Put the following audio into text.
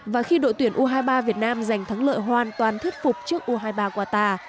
và khi đội tuyển u hai mươi ba việt nam giành thắng lợi hoàn toàn thuyết phục trước u hai mươi ba qatar